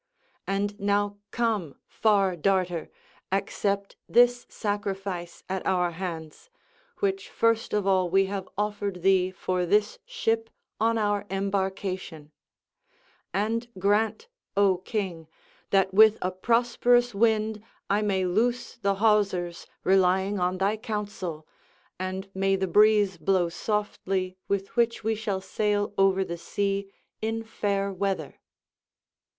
And now, come, Far darter, accept this sacrifice at our hands, which first of all we have offered thee for this ship on our embarcation; and grant, O King, that with a prosperous wind I may loose the hawsers, relying on thy counsel, and may the breeze blow softly with which we shall sail over the sea in fair weather."